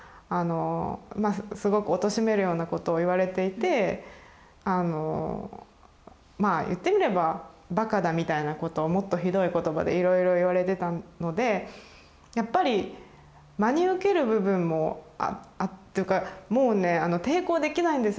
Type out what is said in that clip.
まあすごくおとしめるようなことを言われていてあのまあ言ってみればバカだみたいなことをもっとひどい言葉でいろいろ言われてたのでやっぱり真に受ける部分もというかもうね抵抗できないんですよ。